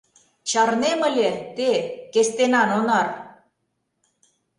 — Чарнем ыле, те, кестенан онар!